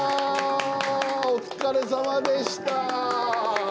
お疲れさまでした。